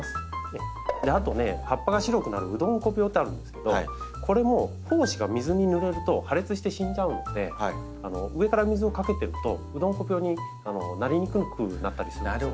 あとね葉っぱが白くなる「ウドンコ病」ってあるんですけどこれも胞子が水にぬれると破裂して死んじゃうので上から水をかけてるとウドンコ病になりにくくなったりするんですね。